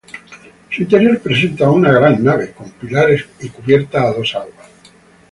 Su interior presenta una gran nave, con pilares y cubierta a dos aguas.